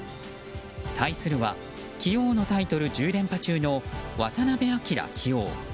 対するは、棋王のタイトル１０連覇中の渡辺明棋王。